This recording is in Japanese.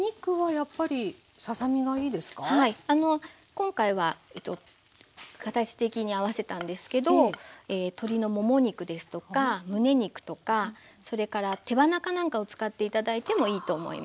今回は形的に合わせたんですけど鶏のもも肉ですとか胸肉とかそれから手羽中なんかを使って頂いてもいいと思います。